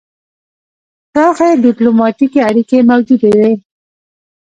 پراخې ډیپلوماتیکې اړیکې موجودې وې.